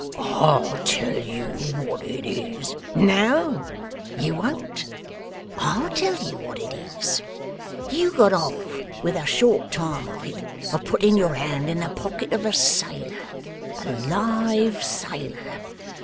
'I'll tell you what it is .' 'No you won't. I'll tell you what it is. You got off with a short time of it for putting your hand in the pocket of a sailor, a live sailor.